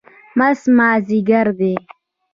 مست مازدیګر دی